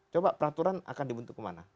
coba peraturan akan dibentuk kemana